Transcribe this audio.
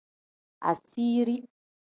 Asiiri.